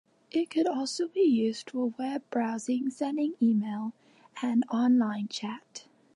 It could also be used for web browsing, sending email, and online chat.